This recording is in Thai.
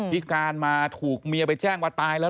พิการมาถูกเมียไปแจ้งว่าตายแล้ว